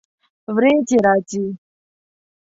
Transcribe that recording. ورېځې راځي